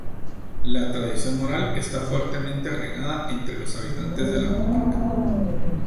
La tradición oral está fuertemente arraigada entre los habitantes de la comarca.